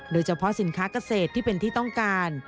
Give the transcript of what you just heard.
โดยเฉพาะสินค้าเกษตรที่เป็นที่ต้องการ